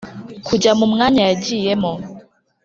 kujya mu mwanya yagiye mo,